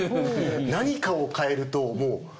何かを変えるともう。